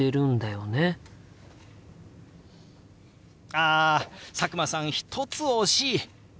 あ佐久間さん１つ惜しい！